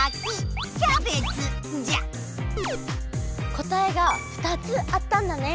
答えが２つあったんだね。